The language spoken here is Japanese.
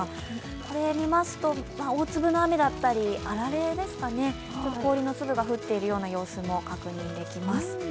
これを見ますと大粒の雨だったりあられですか、氷の粒が降っている様子も確認できます。